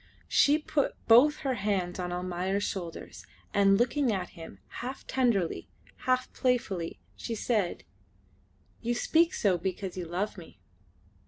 She put both her hands on Almayer's shoulders, and looking at him half tenderly, half playfully, she said "You speak so because you love me."